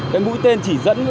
cái mũi tên chỉ dẫn